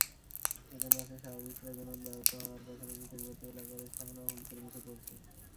এতে মাছের স্বাভাবিক প্রজনন ব্যাহত হওয়ার পাশাপাশি তীরবর্তী এলাকার স্থাপনাও হুমকির মুখে পড়ছে।